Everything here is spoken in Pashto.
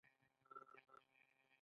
او تر سبا پورې.